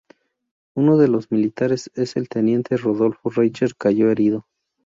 Uno de los militares, el teniente Rodolfo Richter, cayó herido.